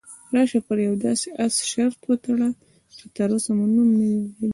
راشه پر یوه داسې اس شرط وتړو چې تراوسه مو نوم نه وي اورېدلی.